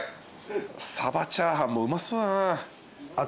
鯖チャーハンもうまそうだな。